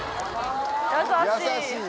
優しい。